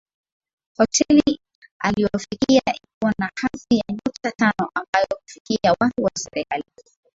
Hoteli aliofikia ilikua na hadhi ya nyota tano ambayo hufikia watu wa serikalini